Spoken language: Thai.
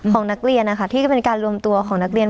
ของนักเรียนนะคะที่ก็เป็นการรวมตัวของนักเรียน